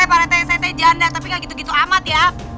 eh parete saya tuh janda tapi gak gitu gitu amat ya